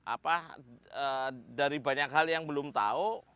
apa dari banyak hal yang belum tahu